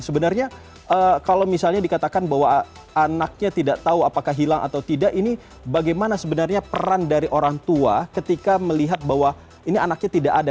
sebenarnya kalau misalnya dikatakan bahwa anaknya tidak tahu apakah hilang atau tidak ini bagaimana sebenarnya peran dari orang tua ketika melihat bahwa ini anaknya tidak ada